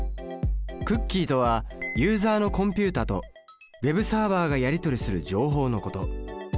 クッキーとはユーザのコンピュータとＷｅｂサーバがやりとりする情報のこと。